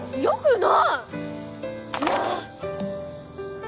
よくない！